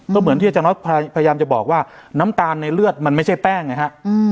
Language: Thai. ก็เหมือนที่อาจารย์น้อยพยายามจะบอกว่าน้ำตาลในเลือดมันไม่ใช่แป้งไงฮะ